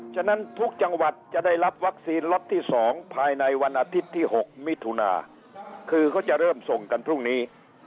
ฉะนั้นทุกจังหวัดจะได้รับวัคซีนล็อตที่๒ภายในวันอาทิตย์ที่๖มิถุนาคือเขาจะเริ่มส่งกันพรุ่งนี้